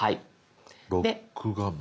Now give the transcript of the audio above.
「ロック画面」。